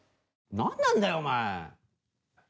・何なんだよお前。